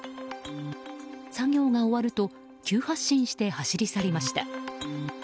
作業が終わると急発進して走り去りました。